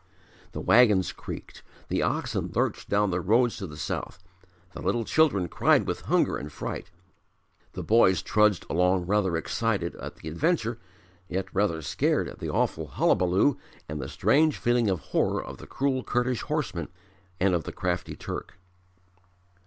The wagons creaked, the oxen lurched down the roads to the south, the little children cried with hunger and fright, the boys trudged along rather excited at the adventure yet rather scared at the awful hullabaloo and the strange feeling of horror of the cruel Kurdish horsemen and of the crafty Turk.